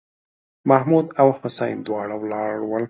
محمـود او حسين دواړه ولاړ ول.